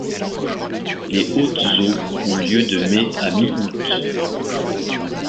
Les hautes eaux ont lieu de mai à mi-août.